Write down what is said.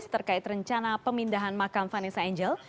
terkait rencana pemindahan makam vanessa angel